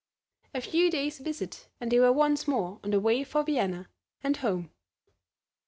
A few days' visit and they were once more on their way for Vienna, and home.